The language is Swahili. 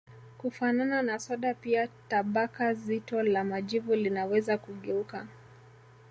Kufanana na soda pia tabaka zito la majivu linaweza kugeuka